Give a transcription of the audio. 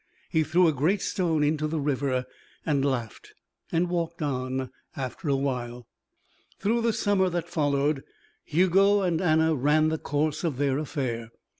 He threw a great stone into the river and laughed and walked on, after a while. Through the summer that followed, Hugo and Anna ran the course of their affair.